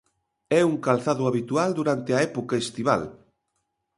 É un calzado habitual durante a época estival.